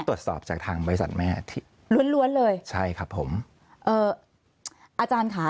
ตรวจสอบจากทางบริษัทแม่ล้วนเลยใช่ครับผมอาจารย์ค่ะ